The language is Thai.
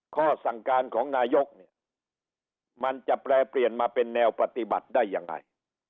ข้อสั่งการของนายกเนี่ยมันจะแปรเปลี่ยนมาเป็นแนวปฏิบัติได้ยังไง